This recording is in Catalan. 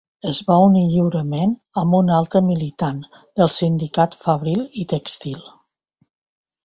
Es va unir lliurement amb un altre militant del Sindicat Fabril i Tèxtil.